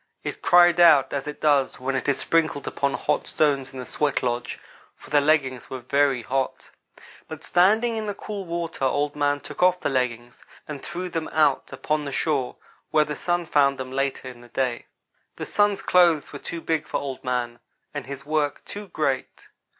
It cried out, as it does when it is sprinkled upon hot stones in the sweat lodge, for the leggings were very hot. But standing in the cool water Old man took off the leggings and threw them out upon the shore, where the Sun found them later in the day. "The Sun's clothes were too big for Old man, and his work too great.